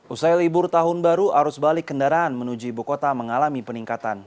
usai libur tahun baru arus balik kendaraan menuju ibu kota mengalami peningkatan